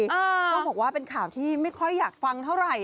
ต้องบอกว่าเป็นข่าวที่ไม่ค่อยอยากฟังเท่าไหร่